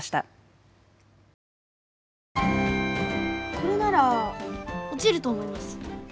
これなら落ちると思います！